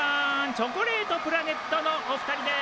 チョコレートプラネットのお二人です。